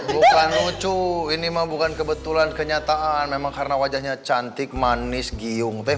bukan lucu ini mah bukan kebetulan kenyataan memang karena wajahnya cantik manis giung